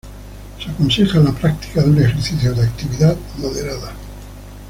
Se aconseja la práctica de un ejercicio de actividad moderada.